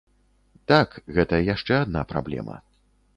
Так, гэта яшчэ адна праблема.